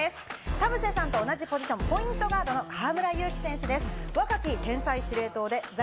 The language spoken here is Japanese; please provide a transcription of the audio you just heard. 田臥さんと同じポジション・ポイントガードの河村勇輝選手です。